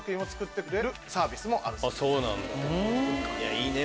いいね